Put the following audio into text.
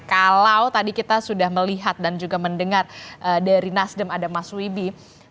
kalau tadi kita sudah melihat dan juga mendengar dari nasdem ada mas wibi